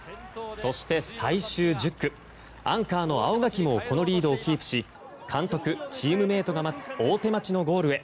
そして、最終１０区アンカーの青柿もこのリードをキープし監督、チームメートが待つ大手町のゴールへ。